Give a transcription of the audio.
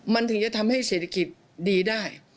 มันถึงจะทำให้เศรษฐกิจดีได้